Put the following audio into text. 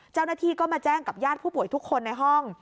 เจ้าหน้าที่ก็มาแจ้งกับญาติผู้ป่วยทุกคนในห้อง